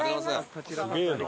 すげえな。